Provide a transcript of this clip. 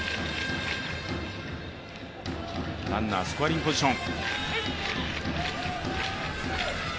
ランナースコアリングポジション。